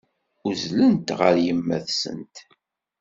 Uzzlent ɣer yemma-tsent.